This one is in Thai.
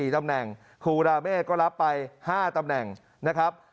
๔ตำแหน่งครูราเมฆก็รับไป๕ตำแหน่งนะครับ